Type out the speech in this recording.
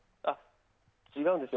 違うんですよ。